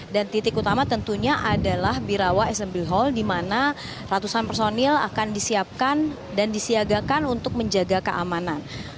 dan titik utama tentunya adalah birawa smb hall dimana ratusan personil akan disiapkan dan disiagakan untuk menjaga keamanan